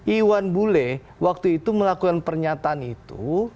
iwan bule waktu itu melakukan pernyataan itu